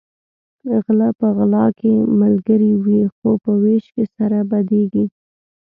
غلۀ په غلا کې ملګري وي خو په وېش کې سره بدیږي